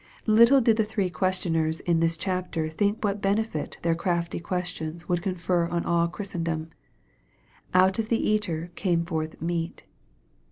Little did the three questioners in this chapter think what benefit their crafty questions would confer on all Christendom " Out of the eater came forth meat."